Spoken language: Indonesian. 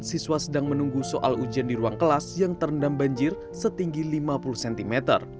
siswa sedang menunggu soal ujian di ruang kelas yang terendam banjir setinggi lima puluh cm